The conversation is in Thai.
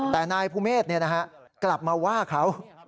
แต่นายพุเมษเนี่ยนะฮะกลับมาว่าเขา